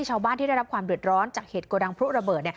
ชาวบ้านที่ได้รับความเดือดร้อนจากเหตุโกดังพลุระเบิด